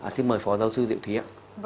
xin mời phó giáo sư diệu thúy ạ